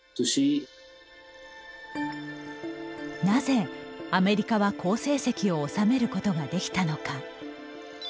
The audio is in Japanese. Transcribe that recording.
なぜアメリカは好成績を収めることができたのか。